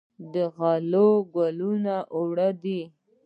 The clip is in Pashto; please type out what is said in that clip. د غلو ګلونه واړه وي.